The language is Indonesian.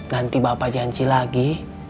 nanti bapak janji lagi